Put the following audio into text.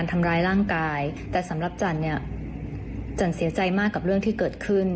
แต่สำหรับจันเนี่ยจันเสียใจมากกับเรื่องที่เกิดขึ้น